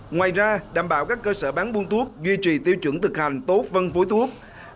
ngoài ra đảm bảo các cơ sở bán buôn thuốc duy trì tiêu chuẩn thực hành tốt phân phối thuốc